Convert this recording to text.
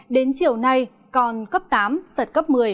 đến chiều nay còn cấp tám giật cấp một mươi